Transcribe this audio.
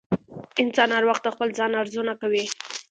انسان هر وخت د خپل ځان ارزونه کوي.